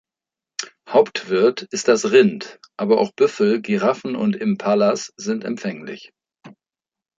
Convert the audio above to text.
Hauptwirt ist das Rind, aber auch Büffel, Giraffen und Impalas sind empfänglich.